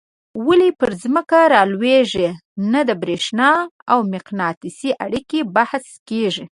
ولي پر ځمکه رالویږي نه د برېښنا او مقناطیس اړیکه بحث کیږي.